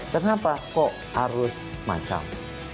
kenapa kok harus macam